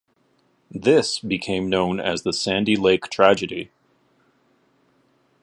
This became known as the Sandy Lake tragedy.